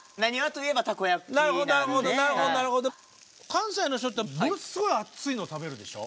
関西の人ってものすごい熱いの食べるでしょ？